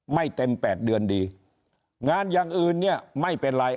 ไม่เต็มแปดเดือนดีงานอย่างอื่นเนี่ยไม่เป็นไร